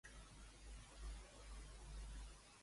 Quina pregunta va formular algú?